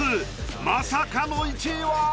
まさかの１位は？